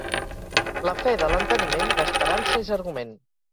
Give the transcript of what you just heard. La fe de l'enteniment, d'esperança és argument.